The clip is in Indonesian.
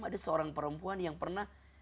ada seorang perempuan yang pernah